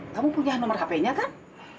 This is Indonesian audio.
kamu punya nomor hp nya kan